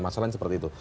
masalahnya seperti itu